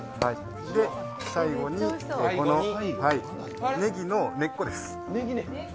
最後にねぎの根っこです。